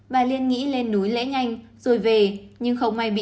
bà liên nghĩ lên núi lễ nhanh rồi về nhưng không may bị